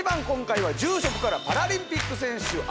今回は住職からパラリンピック選手